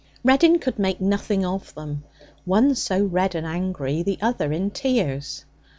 Reddin could make nothing of them, one so red and angry, the other in tears.